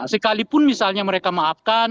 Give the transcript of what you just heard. sekalipun misalnya mereka maafkan